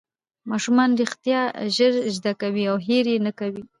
ماشومان رښتیا ژر زده کوي او هېر یې نه کوي